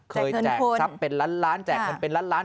แจกทรัพย์เป็นล้านล้านแจกเงินเป็นล้านล้าน